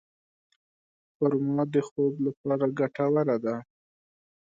خرما د خوب لپاره ګټوره ده.